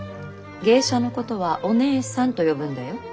芸者のことはお姐さんと呼ぶんだよ。